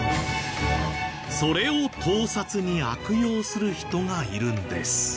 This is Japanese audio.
それを盗撮に悪用する人がいるんです。